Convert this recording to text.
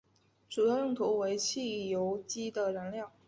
主要用途为汽油机的燃料。